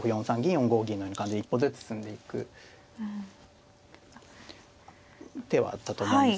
４五銀のような感じで一歩ずつ進んでいく手はあったと思います。